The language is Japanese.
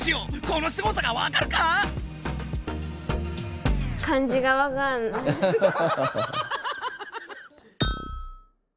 このすごさがわかるか⁉ソノマ！